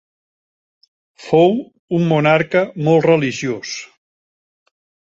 Fou un monarca molt religiós.